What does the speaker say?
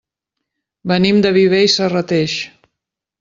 Venim de Viver i Serrateix.